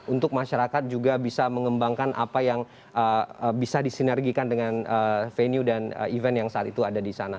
untuk masyarakat juga bisa mengembangkan apa yang bisa disinergikan dengan venue dan event yang saat itu ada di sana